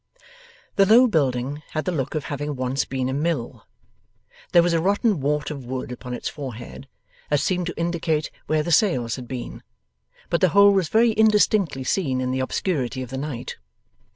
The low building had the look of having once been a mill. There was a rotten wart of wood upon its forehead that seemed to indicate where the sails had been, but the whole was very indistinctly seen in the obscurity of the night.